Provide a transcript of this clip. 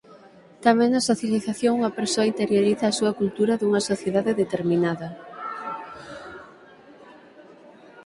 Tamén na socialización unha persoa interioriza a súa cultura dunha sociedade determinada.